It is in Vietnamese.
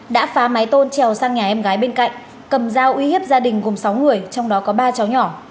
đã phá máy tôn treo sang nhà em gái bên cạnh cầm dao uy hiếp gia đình gồm sáu người trong đó có ba cháu nhỏ